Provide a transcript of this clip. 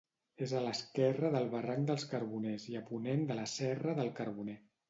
És a l'esquerra del barranc de Carboners i a ponent de la Serra de Carboner.